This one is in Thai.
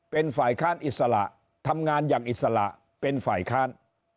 เป็นฝ่ายค้านอิสระทำงานอย่างอิสระเป็นฝ่ายค้าน